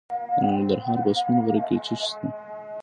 د ننګرهار په سپین غر کې څه شی شته؟